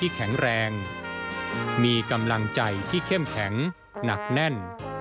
แข็งแรงมีกำลังใจที่เข้มแข็งหนักแน่น